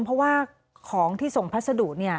เพราะว่าของที่ส่งพัสดุ